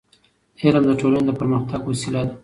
علم د ټولنې د پرمختګ وسیله ده.